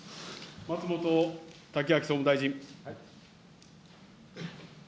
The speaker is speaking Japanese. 松本剛明総務大臣。